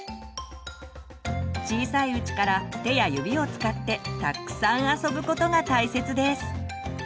小さいうちから手や指を使ってたっくさん遊ぶことが大切です。